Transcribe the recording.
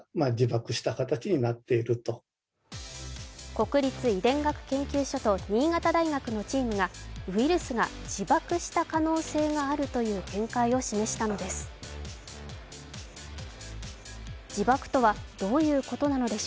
国立遺伝子学研究所と新潟大学のチームがウイルスが自爆した可能性があるという見解を示したのです。